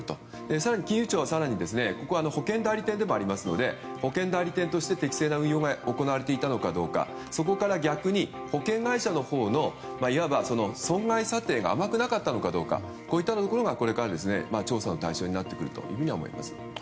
更に金融庁は保険代理店でもありますので保険代理店として適正な運用が行われていたのかどうかそこから逆に保険会社のほうのいわば損害査定が甘くなかったかどうかがこれから調査の対象になってくるかと思います。